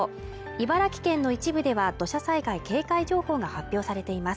茨城県の一部では土砂災害警戒情報が発表されています